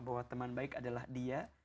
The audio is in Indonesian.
bahwa teman baik adalah dia